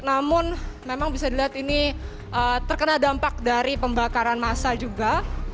namun memang bisa dilihat ini terkena dampak dari pembakaran massa juga